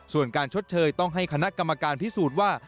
ส่วนการชดเชยต้องให้คณะกรรมการพิสูจน์ว่า